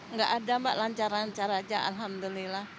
nggak ada mbak lancar lancar aja alhamdulillah